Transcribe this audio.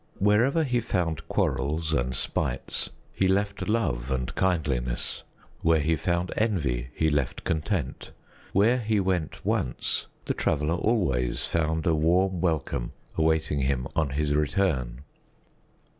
Wherever he found quarrels and spites, he left love and kindliness; where he found envy, he left content; where he went once, the Traveler always found a warm welcome awaiting him on his return.